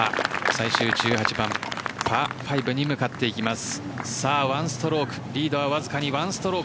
最終１８番パー５に向かっていきます。